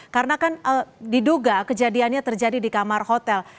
karena kan diduga kejadiannya terjadi di kamar hotel